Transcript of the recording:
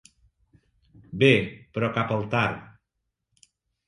Bé, però cap al tard.